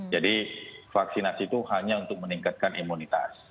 jadi vaksinasi itu hanya untuk meningkatkan imunitas